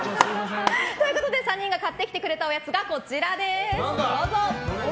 ３人が買ってきてくれたおやつがこちらです。